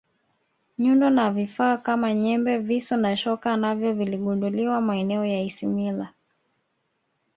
nyundo na vifaa Kama nyembe visu na shoka navyo viligunduliwa maeneo ya ismila